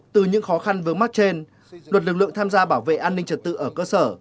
từ những khó khăn vướng mắt trên luật lực lượng tham gia bảo vệ an ninh trật tự ở cơ sở